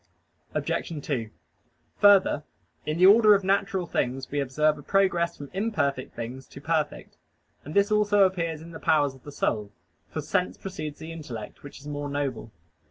Obj. 2: Further, in the order of natural things we observe a progress from imperfect things to perfect. And this also appears in the powers of the soul: for sense precedes the intellect, which is more noble.